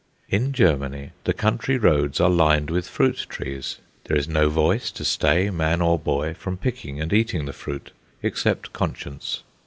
In Germany the country roads are lined with fruit trees. There is no voice to stay man or boy from picking and eating the fruit, except conscience.